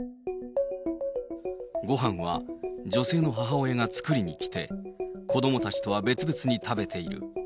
ごはんは女性の母親が作りに来て、子どもたちとは別々に食べている。